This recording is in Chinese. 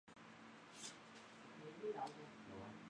之后升任广东按察使。